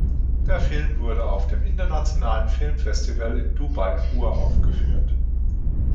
Der Film wurde auf dem Internationalen Filmfestival in Dubai uraufgeführt.